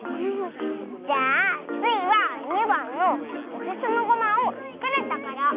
じゃあスイは２ばんの「おへそのごまをつくるところ」。